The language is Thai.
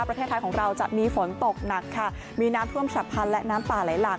ประเทศไทยของเราจะมีฝนตกหนักค่ะมีน้ำท่วมฉับพันธ์และน้ำป่าไหลหลาก